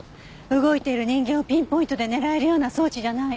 動いている人間をピンポイントで狙えるような装置じゃない。